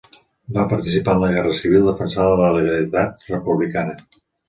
Va participar en la Guerra Civil defensant la legalitat republicana.